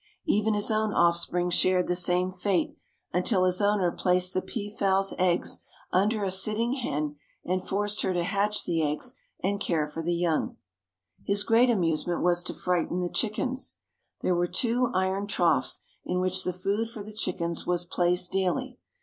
Even his own offspring shared the same fate, until his owner placed the peafowl's eggs under a sitting hen and forced her to hatch the eggs and care for the young. His great amusement was to frighten the chickens. There were two iron troughs in which the food for the chickens was placed daily.